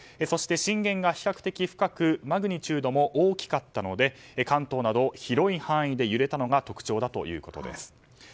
そして震源が比較的深くマグニチュードも大きかったので関東など広い範囲で揺れたのが特徴だということです。